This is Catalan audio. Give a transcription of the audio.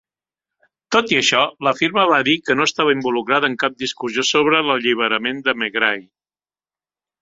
Tot i això, la firma va dir que no estava involucrada en cap discussió sobre l'alliberament de Megrahi.